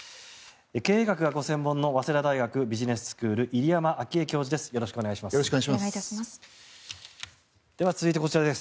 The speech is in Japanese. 経営学がご専門の早稲田大学ビジネススクール入山章栄教授です。